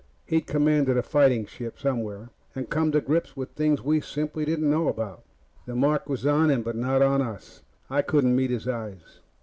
He'd commanded a fighting ship, somewhere, and come to grips with things we simply didn't know about. The mark was on him, but not on us. I couldn't meet his eyes.